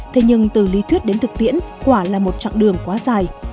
thế nhưng từ lý thuyết đến thực tiễn quả là một chặng đường quá dài